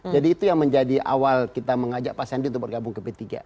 jadi itu yang menjadi awal kita mengajak pak sandi untuk bergabung ke p tiga